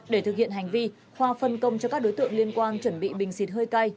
để thực hiện hành vi khoa phân công cho các đối tượng liên quan chuẩn bị bình xịt hơi cay